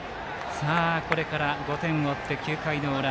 これから５点を折って９回の裏。